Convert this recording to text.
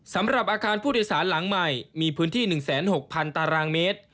สำหรับอาคารผู้โดยสารหลังใหม่มีพื้นที่๑๖๐๐๐ตารางเมตร